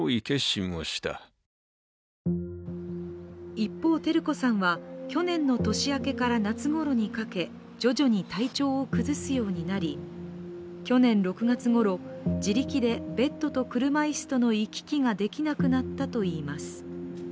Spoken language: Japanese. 一方、照子さんは去年の年明けから夏ごろにかけ、徐々に体調を崩すようになり、去年６月ごろ、自力でベッドと車椅子との行き来ができなくなったといいます。